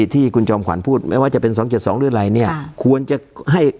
ที่คุณจอมขวัญพูดไม่ว่าจะเป็น๒๗๒หรืออะไร